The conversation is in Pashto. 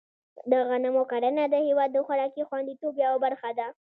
د غنمو کرنه د هېواد د خوراکي خوندیتوب یوه برخه ده.